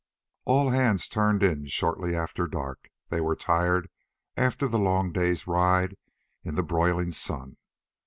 All hands turned in shortly after dark. They were tired after the long day's ride in the broiling sun.